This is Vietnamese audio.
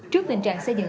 trước tình trạng xây dựng